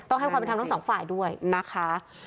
ให้ความเป็นธรรมทั้งสองฝ่ายด้วยนะคะ